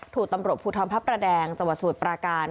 ถูกตำรวจภูทรพระประแดงจังหวัดสมุทรปราการ